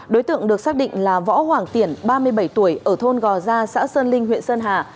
đối tượng được xác định là võ hoàng tiển ba mươi bảy tuổi ở thôn gò gia xã sơn linh huyện sơn hà